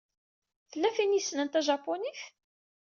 Tella tin ay yessnen tajapunit?